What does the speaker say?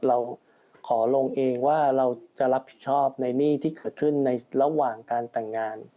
เราขอลงเองว่าเราจะรับผิดชอบในหนี้ที่เกิดขึ้นในระหว่างการแต่งงาน